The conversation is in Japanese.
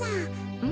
うん！